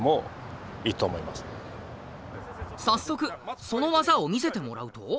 早速その技を見せてもらうと。